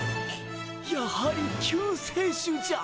やはり救世主じゃ！